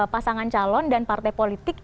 pasangan calon dan partai politik